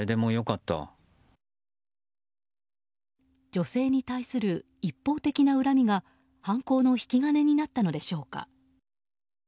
女性に対する一方的な恨みが犯行の引き金になったのでしょうか。